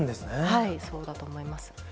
はい、そうだと思います。